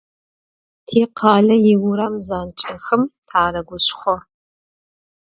Tikhale yiuram zanç'exem tareguşşxo.